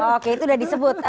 oke itu sudah disebut